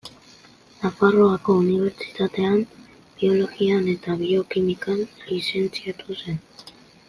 Nafarroako Unibertsitatean Biologian eta Biokimikan lizentziatu zen.